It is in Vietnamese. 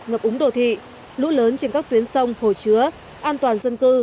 ngập úng đồ thị lũ lớn trên các tuyến sông hồ chứa an toàn dân cư